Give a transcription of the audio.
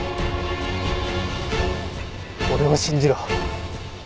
俺を信じろ。